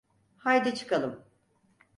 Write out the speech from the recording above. Haydi çıkalım.